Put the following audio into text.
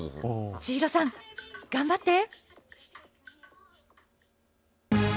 千尋さん、頑張って！